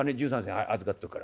はい預かっておくから。